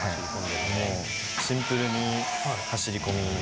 もうシンプルに走り込みで。